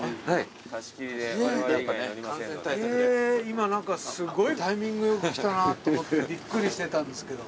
今何かすごいタイミングよく来たなって思ってびっくりしてたんですけど。